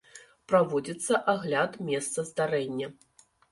Праводзіцца агляд месца здарэння.